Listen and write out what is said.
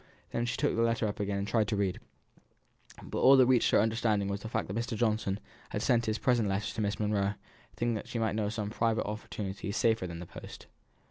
Then she took the letter up again and tried to read; but all that reached her understanding was the fact that Mr. Johnson had sent his present letter to Miss Monro, thinking that she might know of some private opportunity safer than the post.